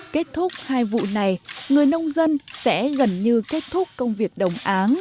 kết thúc hai vụ này người nông dân sẽ gần như kết thúc công việc đồng áng